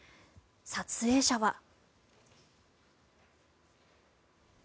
撮影者は。